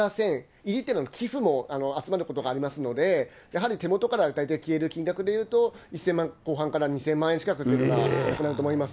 入りってのは寄付も集まることがありますので、やはり手元から大体消える金額でいうと、１０００万後半から２０００万円近くはなくなると思います。